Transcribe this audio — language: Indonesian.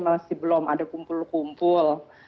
masih belum ada kumpul kumpul